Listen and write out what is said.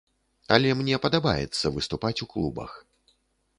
Але мне падабаецца выступаць у клубах.